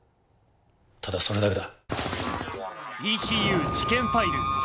ただそれだけだ。